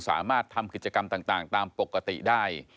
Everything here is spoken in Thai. สามารถทำกิจกรรมต่างตามปกติได้